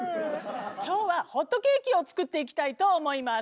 今日はホットケーキを作っていきたいと思います。